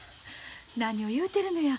何を言うてるのや。